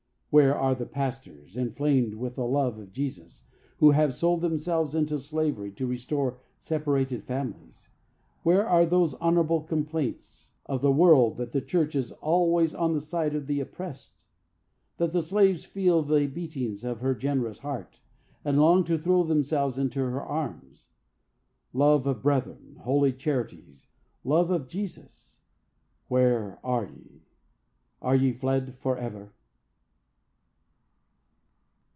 Where are the pastors, inflamed with the love of Jesus, who have sold themselves into slavery to restore separated families? Where are those honorable complaints of the world that the church is always on the side of the oppressed?—that the slaves feel the beatings of her generous heart, and long to throw themselves into her arms? Love of brethren, holy charities, love of Jesus,—where are ye?—Are ye fled forever?